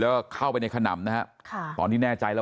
และก็คือว่าถึงแม้วันนี้จะพบรอยเท้าเสียแป้งจริงไหม